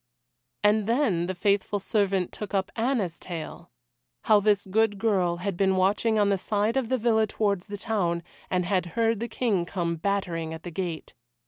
And then the faithful servant took up Anna's tale. How this good girl had been watching on the side of the villa towards the town, and had heard the King come battering at the gate.